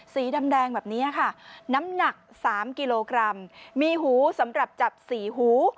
สีดำแดงแบบนี้ค่ะน้ำหนัก๓กิโลกรัมมีหูสำหรับจับสี่หู